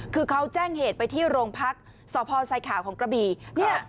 คือเขาแจ้งเหตุไปที่โรงพักษ์สพไซขาวของกระบี